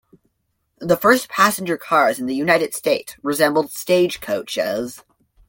The first passenger cars in the United States resembled stagecoaches.